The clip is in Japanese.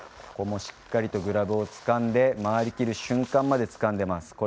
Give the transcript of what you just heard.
しっかりとグラブをつかんで回りきる瞬間までつかんでいます。